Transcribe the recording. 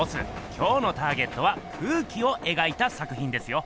今日のターゲットは空気を描いた作ひんですよ。